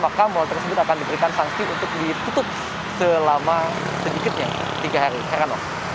maka mal tersebut akan diberikan sanksi untuk ditutup selama sedikitnya tiga hari heranov